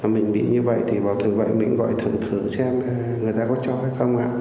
mình bị như vậy thì vào thời gian này mình gọi thử xem người ta có cho hay không